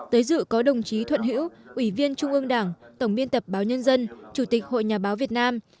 tới dự có đồng chí thuận hữu ủy viên trung ương đảng tổng biên tập báo nhân dân chủ tịch hội nhà báo việt nam